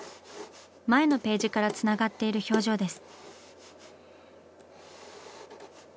前のページからつながっている表情です。